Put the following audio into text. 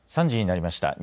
３時になりました。